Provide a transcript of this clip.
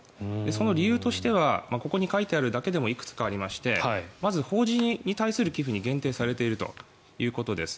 その理由としてはここに書いてあるだけでもいくつかありましてまず法人に対する寄付に限定されているということです。